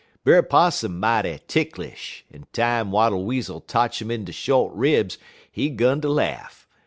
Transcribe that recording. Brer Possum mighty ticklish, en time Wattle Weasel totch 'im in de short ribs, he 'gun ter laugh.